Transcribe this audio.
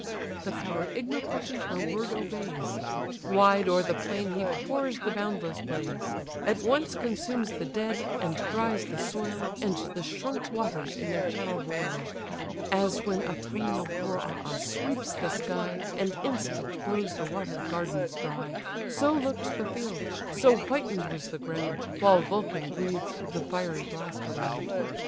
The power ignipotent her word obeys: Wide o'er the plain he pours the boundless blaze; At once consumes the dead, and dries the soil And the shrunk waters in their channel boil. As when autumnal Boreas sweeps the sky, And instant blows the water'd gardens dry: So look'd the field, so whiten'd was the ground, While Vulcan breathed the fiery blast around.